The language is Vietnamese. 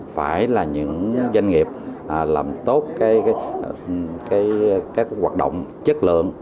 phải là những doanh nghiệp làm tốt các hoạt động chất lượng